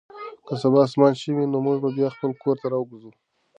که سبا اسمان شین وي نو موږ به بیا خپل کار ته راوګرځو.